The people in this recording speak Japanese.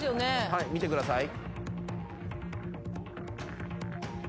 ・はい見てください。